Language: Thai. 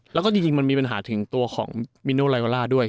แล้วก็จริงมันมีปัญหาถึงตัวของมิโนไลวาล่าด้วย